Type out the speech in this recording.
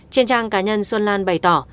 trên trang cá nhân xuân lan bày tỏ